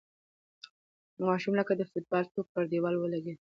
ماشوم لکه د فوټبال توپ پر دېوال ولگېد.